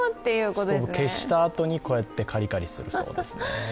ストーブ消したあとに、こうやってカリカリするそうです。